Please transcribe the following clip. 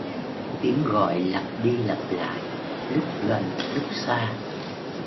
tiếng gọi lặp đi lặp lại, lúc gần lúc xa